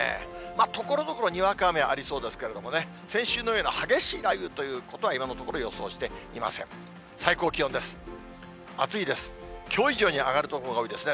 ところどころにわか雨、ありそうですけれどもね、先週のような激しい雷雨ということは今のところ予想していません。